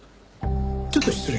ちょっと失礼。